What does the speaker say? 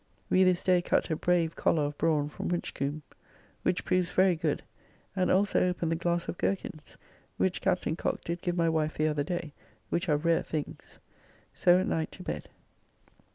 We this day cut a brave collar of brawn from Winchcombe which proves very good, and also opened the glass of girkins which Captain Cocke did give my wife the other day, which are rare things. So at night to bed.